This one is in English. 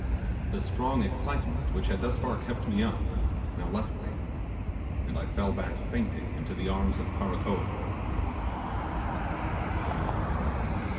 The strong excitement which had thus far kept me up, now left me, and I fell back fainting into the arms of Karakoee.